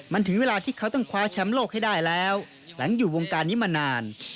มันถึงเวลาที่เขาต้องคว้าแชมป์โลกให้ได้แล้วหลังอยู่วงการนี้มานาน